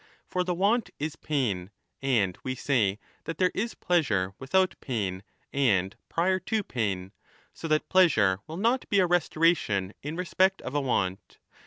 For the want is pain, and we say that there is pleasure without pain and prior to pain. So that pleasure will not be a restoration in respect of a want.